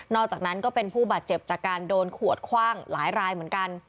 อกจากนั้นก็เป็นผู้บาดเจ็บจากการโดนขวดคว่างหลายรายเหมือนกัน